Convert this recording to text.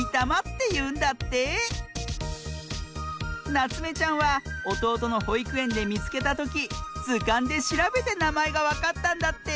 なつめちゃんはおとうとのほいくえんでみつけたときずかんでしらべてなまえがわかったんだって！